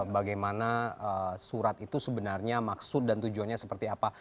bagaimana surat itu sebenarnya maksud dan tujuannya seperti apa